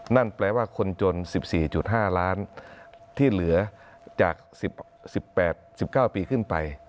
นั่นแปลว่าคนจน๑๔๕ล้านที่เหลือจาก๑๘๑๙ปีขึ้นไป